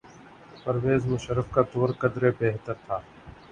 پرویز مشرف کا دور قدرے بہتر تھا۔